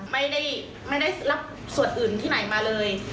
ไม่ได้รับส่วนอื่นที่ไหนมาเลย